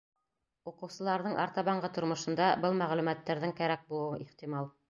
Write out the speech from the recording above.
Уҡыусыларҙың артабанғы тормошонда был мәғлүмәттәрҙең кәрәк булыуы ихтимал.